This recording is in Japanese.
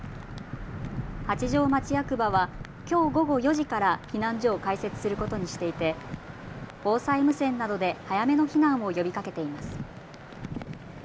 八丈町役場はきょう午後４時から避難所を開設することにしていて防災無線などで早めの避難を呼びかけています。